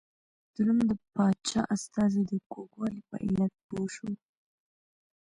د روم د پاچا استازی د کوږوالي په علت پوه شو.